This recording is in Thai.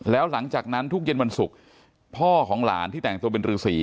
แล้วหลังจากนั้นทุกเย็นวันศุกร์พ่อของหลานที่แต่งตัวเป็นรือสี